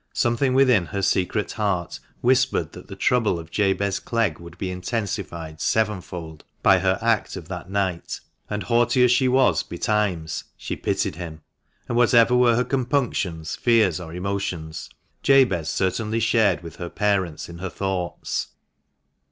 Something within her secret heart whispered that the trouble of Jabez Clegg would be intensified sevenfold by her act of that night, and, haughty as she was betimes, she pitied him. And whatever were her compunctions, fears, or emotions, Jabez certainly shared with her parents in her thoughts.